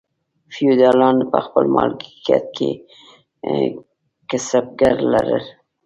فیوډالانو په خپل مالکیت کې کسبګر لرل.